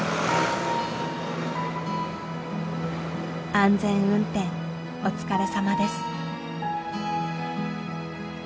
安全運転お疲れさまです。